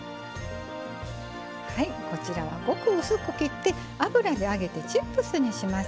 こちらはごく薄く切って油で揚げてチップスにします。